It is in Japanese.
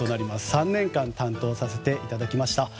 ３年間担当させていただきました。